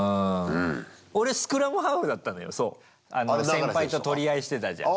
先輩と取り合いしてたじゃん。